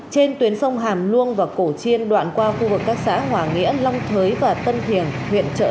trên tuyến sông hàm luông và cổ chiên đoạn qua khu vực các xã hòa nghĩa long thới và tân thiền huyện trợ